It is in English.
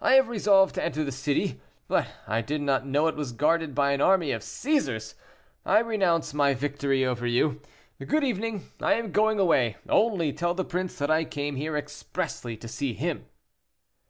I had resolved to enter the city, but I did not know it was guarded by an army of Cæsars. I renounce my victory over you. Good evening, I am going away; only tell the prince that I came here expressly to see him."